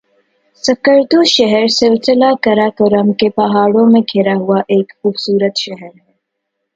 سکردو شہر سلسلہ قراقرم کے پہاڑوں میں گھرا ہوا ایک خوبصورت شہر ہے